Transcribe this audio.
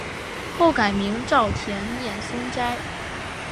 后改名沼田面松斋。